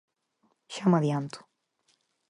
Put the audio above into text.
Xa me adianto.